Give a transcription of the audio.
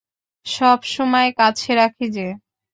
সবসময় কাছে রাখি যে।